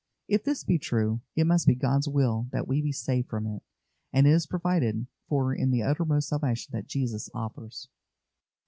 If this be true, it must be God's will that we be saved from it. And it is provided for in the uttermost salvation that Jesus offers.